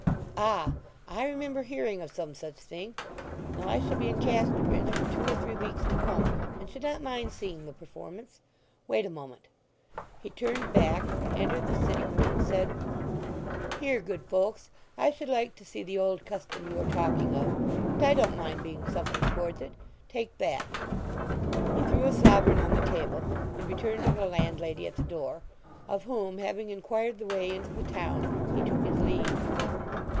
"Ah! I remember hearing of some such thing. Now I shall be in Casterbridge for two or three weeks to come, and should not mind seeing the performance. Wait a moment." He turned back, entered the sitting room, and said, "Here, good folks; I should like to see the old custom you are talking of, and I don't mind being something towards it—take that." He threw a sovereign on the table and returned to the landlady at the door, of whom, having inquired the way into the town, he took his leave.